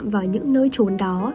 và những nơi trốn đó